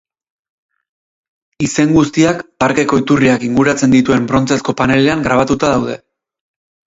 Izen guztiak parkeko iturriak inguratzen dituen brontzezko panelean grabatuta daude.